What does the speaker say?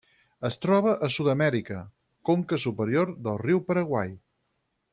Es troba a Sud-amèrica: conca superior del riu Paraguai.